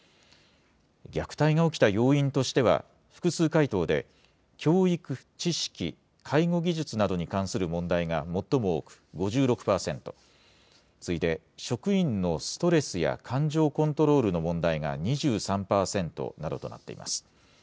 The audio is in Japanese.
虐待が起きた要因としては、複数回答で、教育、知識、介護技術などに関する問題が最も多く５６％、次いで職員のストレスや感情コントロールの問題が２３％などとなっています。